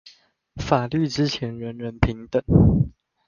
法律之前人人平等